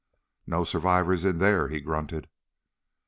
"No survivors in there," he grunted.